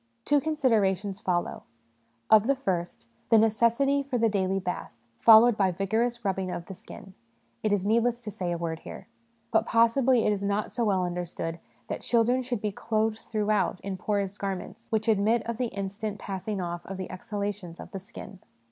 Two con siderations follow : of the first, the necessity for the daily bath, followed by vigorous rubbing of the skin, it is needless to say a word here. But possibly it is not so well understood that children should be clothed throughout in porous garments which admit of the instant passing off of the exhalations of the skin.